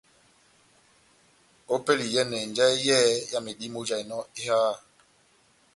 Ópɛlɛ ya iyɛ́nɛ njahɛ yɛ́hɛ́pi ya medímo ejahinɔ eháha.